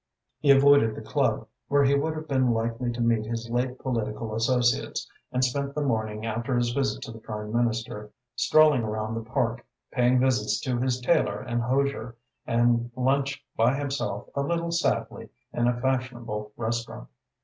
He avoided the club, where he would have been likely to meet his late political associates, and spent the morning after his visit to the Prime Minister strolling around the Park, paying visits to his tailor and hosier, and lunched by himself a little sadly in a fashionable restaurant.